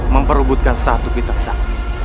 memperlubutkan satu kitab sakti